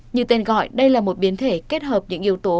như tên gọi đây là một biến thể kết hợp những yếu tố